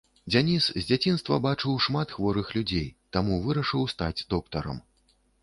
Дэніс з дзяцінства бачыў шмат хворых людзей, таму вырашыў стаць доктарам.